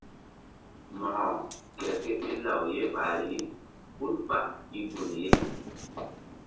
Mo̧ko ker ké ɓil law ye ɓahri hul ɓá i gun ye.